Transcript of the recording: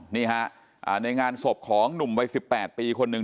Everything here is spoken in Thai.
ในงานศพของหนุ่มวัย๑๘ปีคนนึง